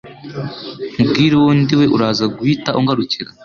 Nkubwire uwo ndiwe uraza guhita ungarukira